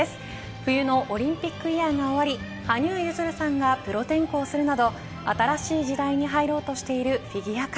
冬のオリンピックイヤーが終わり羽生結弦さんがプロ転向するなど新しい時代に入ろうとしているフィギュア界。